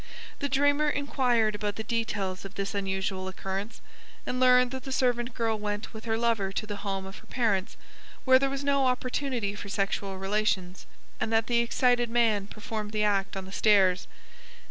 The dreamer inquired about the details of this unusual occurrence, and learned that the servant girl went with her lover to the home of her parents, where there was no opportunity for sexual relations, and that the excited man performed the act on the stairs.